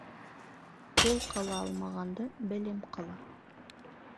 Ҡул ҡыла алмағанды белем ҡыла.